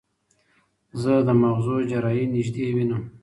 زه د مغزو جراحي نږدې وینم.